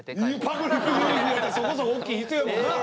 パブリックビューイングやったらそこそこ大きい必要やもんな。